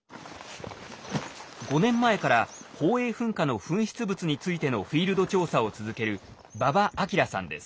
５年前から宝永噴火の噴出物についてのフィールド調査を続ける馬場章さんです。